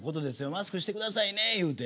マスクしてくださいね言うて。